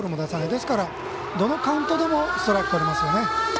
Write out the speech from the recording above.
ですから、どのカウントでもストライクとれますね。